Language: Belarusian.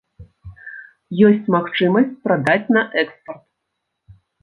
Ёсць магчымасць прадаць на экспарт.